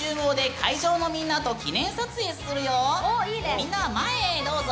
みんな前へどうぞ！